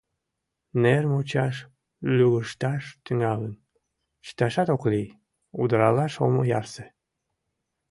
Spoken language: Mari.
Нер мучаш лӱгышташ тӱҥалын, чыташат ок лий, удыралаш ом ярсе.